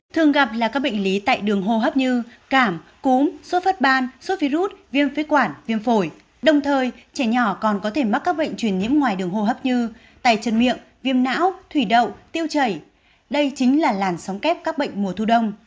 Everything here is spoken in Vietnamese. thường gặp là các bệnh lý tại đường hô hấp như cảm cúm sốt phát ban sốt virus viêm phế quản viêm phổi đồng thời trẻ nhỏ còn có thể mắc các bệnh truyền nhiễm ngoài đường hô hấp như tay chân miệng viêm não thủy đậu tiêu chảy đây chính là làn sóng kép các bệnh mùa thu đông